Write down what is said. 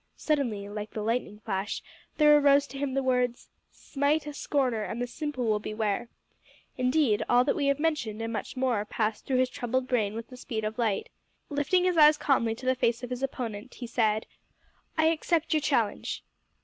Suddenly like the lightning flash there arose to him the words, "Smite a scorner and the simple will beware!" Indeed, all that we have mentioned, and much more, passed through his troubled brain with the speed of light. Lifting his eyes calmly to the face of his opponent he said "I accept your challenge."